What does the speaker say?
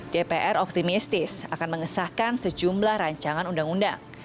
dpr optimistis akan mengesahkan sejumlah rancangan undang undang